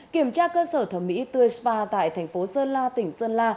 kiểm tra cơ sở thẩm mỹ tươi spa tại thành phố sơn la tỉnh sơn la